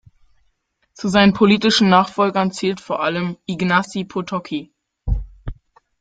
Zu seinen politischen Nachfolgern zählt vor allem Ignacy Potocki.